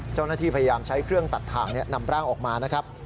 เจ้าหน้าที่พยายามใช้เครื่องตัดถ่างนำร่างออกมานะครับ